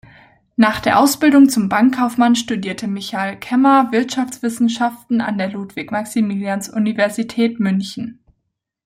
Nach der Ausbildung zum Bankkaufmann studierte Michael Kemmer Wirtschaftswissenschaft an der Ludwig-Maximilians-Universität München.